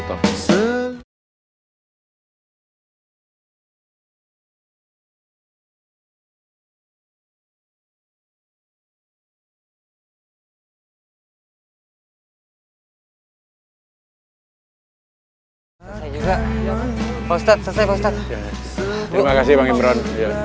terima kasih bang imran